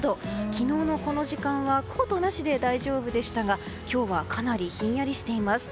昨日のこの時間はコートなしで大丈夫でしたが今日はかなりひんやりしています。